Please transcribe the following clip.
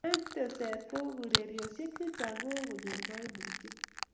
eng teset ko urerioshiek chechang che kokonyor kaimutiet